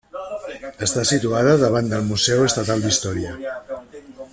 Està situada davant del Museu Estatal d'Història.